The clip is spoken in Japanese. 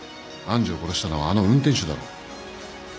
愛珠を殺したのはあの運転手だろ